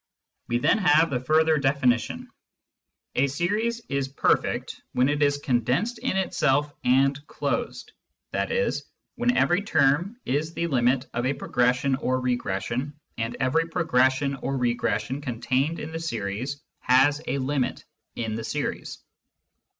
We then have the further definition :— A series is " perfect " when it is condensed, in itself and closed,, i.e. when every term is the limit of a progression or regression, and every progression or regression contained in the series has a limit in the series.